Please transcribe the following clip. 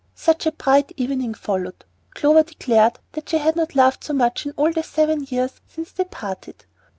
Such a bright evening followed! Clover declared that she had not laughed so much in all the seven years since they parted.